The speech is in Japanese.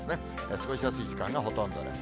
過ごしやすい時間がほとんどです。